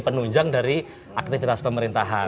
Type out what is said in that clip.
penunjang dari aktivitas pemerintahan